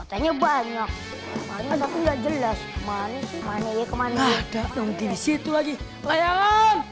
tanya banyak banyak jelas mana kemana ada di situ lagi layanan